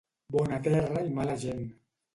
Bona terra i mala gent.